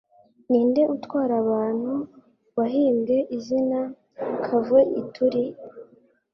Ninde utwara abantu wahimbwe izina kavoituri?